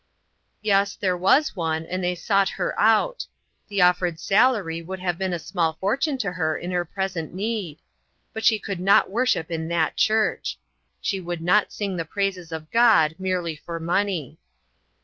Yes, there was one, and they sought her out. The offered salary would have been a small fortune to her in her present need ; but she could not worship in that church ; she would not sing the praises of God merely for money.